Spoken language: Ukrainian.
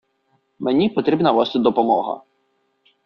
Мені потрібна ваша допомога.